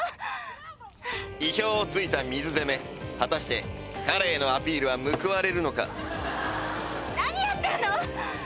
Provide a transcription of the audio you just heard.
意表をついた水攻め果たして彼へのアピールは報われるのか何やってんの！？